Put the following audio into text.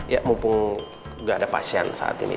ya mumpung nggak ada pasien saat ini